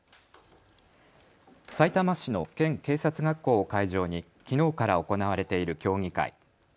さいたま市の県警察学校を会場にきのうから行われている競技会。